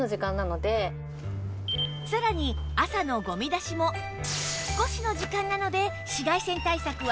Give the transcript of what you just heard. さらに朝のゴミ出しも少しの時間なので紫外線対策はなし！